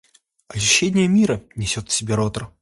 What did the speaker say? Ощущение мира несет в себе ротор.